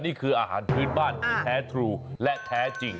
นี่คืออาหารพื้นบ้านที่แท้ทรูและแท้จริง